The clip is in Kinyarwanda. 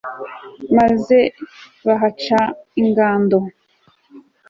maze bahaca ingando